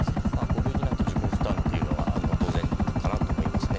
５類になって自己負担は当然かなと思いますね。